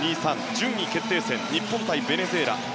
順位決定戦日本対ベネズエラ。